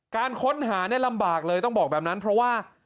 การค้นหาเนี่ยลำบากเลยต้องบอกแบบนั้นเพราะว่า